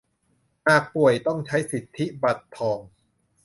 หากป่วยต้องใช้สิทธิบัตรทอง